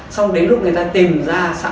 xong đến lúc người ta tìm ra xã hội này